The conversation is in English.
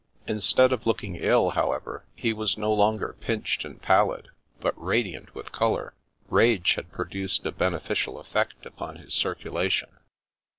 In stead of looking ill, however, he was no longer pinched and pallid, but radiant with colour. Rage had produced a beneficial effect upon his circu lation.